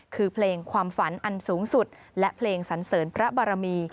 คือเพลงความฝันอันสูงสุดและเพลงสันเสริญพระบารมี